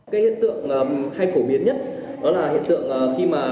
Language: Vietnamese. cái hiện tượng hay phổ biến nhất đó là hiện tượng khi mà